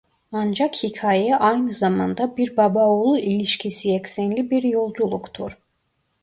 Ancak hikaye aynı zamanda bir baba-oğul ilişkisi eksenli bir yolculuktur.